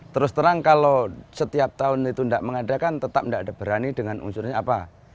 terus terang kalau setiap tahun itu tidak mengadakan tetap tidak ada berani dengan unsurnya apa